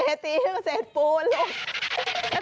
เศรษฐีก็เศรษฐูนย์